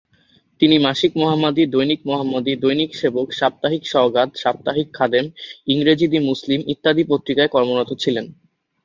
তিনি মাসিক মোহাম্মদী, দৈনিক মোহাম্মদী, দৈনিক সেবক, সাপ্তাহিক সওগাত, সাপ্তাহিক খাদেম, ইংরেজি দি মুসলমান ইত্যাদি পত্রিকায় কর্মরত ছিলেন।